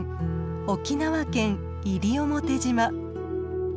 沖縄県西表島。